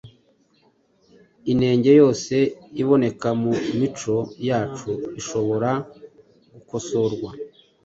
inenge yose iboneka mu mico yacu ishobobora gukosorwa